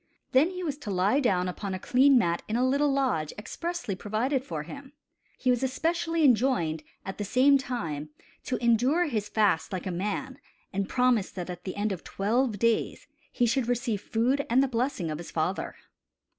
Then he was to lie down upon a clean mat in a little lodge expressly provided for him. He was especially enjoined, at the same time, to endure his fast like a man, and promised that at the end of twelve days he should receive food and the blessing of his father.